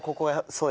そう。